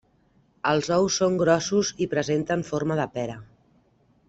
Els ous són grossos i presenten forma de pera.